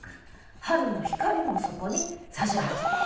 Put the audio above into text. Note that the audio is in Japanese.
春の光もそこにさし始める。